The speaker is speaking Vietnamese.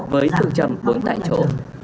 với sự chầm bốn tại chỗ